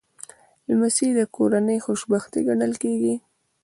لمسی د کورنۍ خوشبختي ګڼل کېږي.